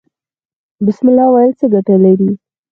بسم الله ویل څه ګټه لري؟